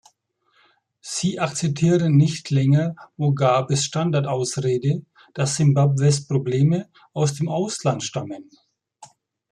Sie akzeptieren nicht länger Mugabes Standardausrede, dass Simbabwes Probleme aus dem Ausland stammen.